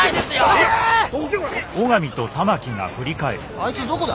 あいつどこだ？